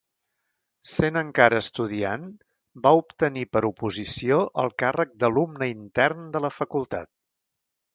Sent encara estudiant va obtenir per oposició el càrrec d'Alumne Intern de la Facultat.